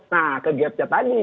nah ke gapnya tadi